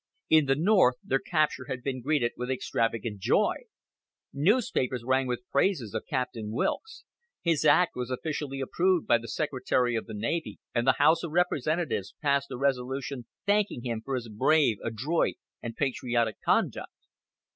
In the North their capture had been greeted with extravagant joy. Newspapers rang with praises of Captain Wilkes; his act was officially approved by the Secretary of the Navy, and the House of Representatives passed a resolution thanking him for his "brave, adroit, and patriotic conduct."